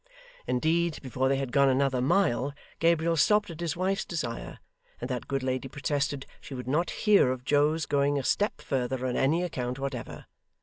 Indeed, before they had gone another mile, Gabriel stopped at his wife's desire, and that good lady protested she would not hear of Joe's going a step further on any account whatever.